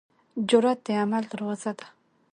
جرئت د عمل دروازه ده.